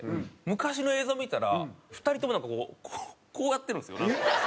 昔の映像見たら２人ともなんかこうやってるんですよ。